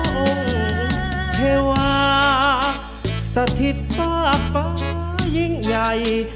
ของเทวาสถิตฟ้าฟ้ายิ่งใหญ่